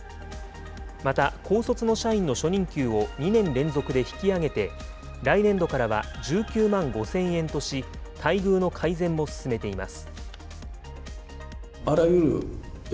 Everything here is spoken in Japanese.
また高卒の社員の初任給を２年連続で引き上げて、来年度からは１９万５０００円とし、待遇の改善も進めています。